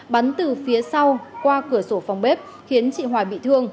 bắn từ phía sau qua cửa sổ phòng bếp khiến chị hoài bị thương